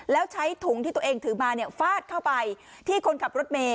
แล้วใช้ถุงที่ตัวเองถือมาฟาดเข้าไปที่คนขับรถเมย